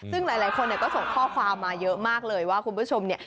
ซึ่งหลายคนเนี่ยก็ส่งข้อความมาเยอะมากเลยว่าคุณผู้ชมเนี่ย